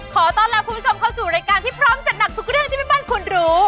ขอต้อนรับคุณผู้ชมเข้าสู่รายการที่พร้อมจัดหนักทุกเรื่องที่แม่บ้านคุณรู้